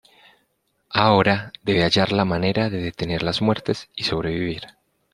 Ahora debe hallar la manera de detener las muertes y sobrevivir.